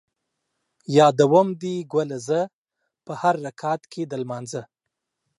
یادوم دې ګله زه ـ په هر رکعت کې د لمانځه